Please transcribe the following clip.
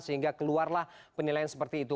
sehingga keluarlah penilaian seperti itu